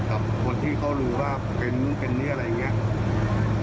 คนที่เขารู้ว่าเป็นนู้นเป็นนี้อะไรอย่างนี้